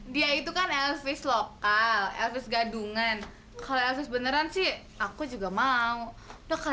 dia itu kan elfries lokal elfries gadungan kalau beneran sih aku juga mau udah kalian aja